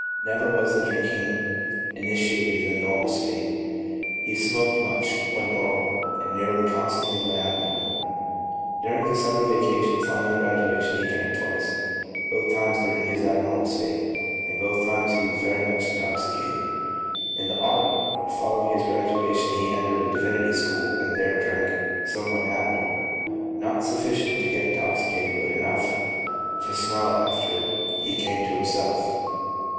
Never was the drinking initiated in the normal state. He smoked much when normal, and nearly constantly when abnormal. During the summer vacation following graduation he drank twice, both times during his abnormal state, and both times he was very much intoxicated. In the autumn following his graduation he entered a divinity school and there drank some when abnormal, not sufficient to get intoxicated, but enough to smell it after he came to himself.